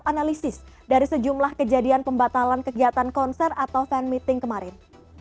analisis dari sejumlah kejadian pembatalan kegiatan konser atau fan meeting kemarin